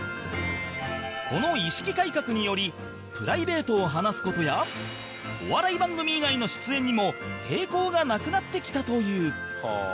この意識改革によりプライベートを話す事やお笑い番組以外の出演にも抵抗がなくなってきたという